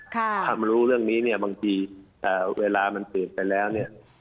ถ้ามารู้เรื่องนี้เนี่ยบางทีเวลามันเปลี่ยนไปแล้วเนี่ย